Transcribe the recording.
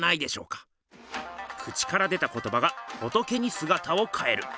口から出た言葉が仏にすがたをかえる。